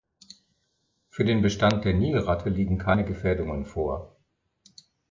Für den Bestand der Nilratte liegen keine Gefährdungen vor.